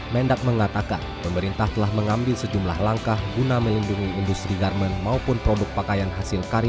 mendak mengatakan pemerintah telah mengambil sejumlah langkah guna melindungi industri garmen maupun produk pakaian hasil karya